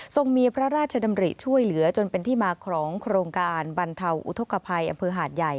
มีพระราชดำริช่วยเหลือจนเป็นที่มาของโครงการบรรเทาอุทธกภัยอำเภอหาดใหญ่